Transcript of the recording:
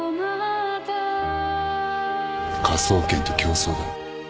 科捜研と競争だ。